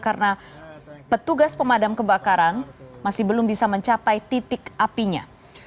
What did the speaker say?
karena petugas pemadam kebakaran masih belum bisa mencapai titik apinya